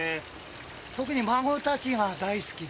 特に孫たちが大好きで。